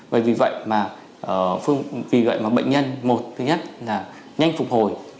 vì vậy mà bệnh nhân một thứ nhất là nhanh phục hồi